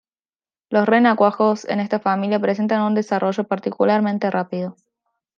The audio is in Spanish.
Los renacuajos en esta familia presentan un desarrollo particularmente rápido.